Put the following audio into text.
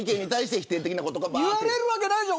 言われるわけないじゃん。